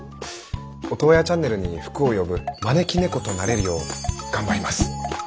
オトワヤチャンネルに福を呼ぶ招き猫となれるよう頑張ります！